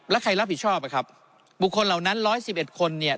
แล้วใครรับผิดชอบอ่ะครับบุคคลเหล่านั้นร้อยสิบเอ็ดคนเนี่ย